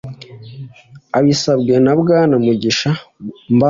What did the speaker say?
abisabwe na bwana mugisha mbavu